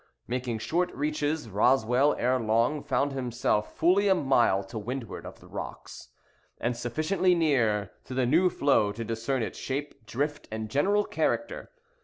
Making short reaches, Roswell ere long found himself fully a mile to windward of the rocks, and sufficiently near to the new floe to discern its shape, drift, and general character.